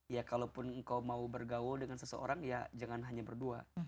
ya kalaupun engkau mau bergaul dengan seseorang ya jangan hanya berdua